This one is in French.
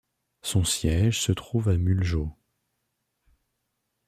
Son siège se trouve à Mullsjö.